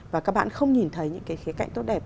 và các bạn không nhìn thấy những cái khía cạnh tốt đẹp